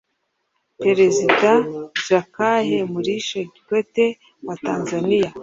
Perezida Jakaya Mrisho Kikwete wa Tanzania